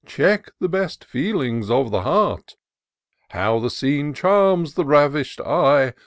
Check the best feelings of the heart. — How the scene charms the ravish'd eye